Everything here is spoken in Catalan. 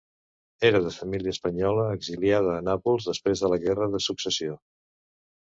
Era de família espanyola exiliada a Nàpols després de la Guerra de Successió.